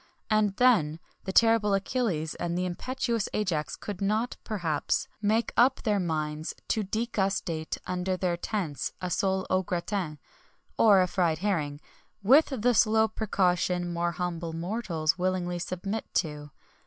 And then, the terrible Achilles and the impetuous Ajax could not, perhaps, make up their minds to degustate under their tents a sole au gratin, or a fried herring, with the slow precaution more humble mortals willingly submit to.